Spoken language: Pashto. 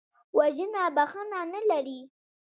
وژنه بښنه نه لري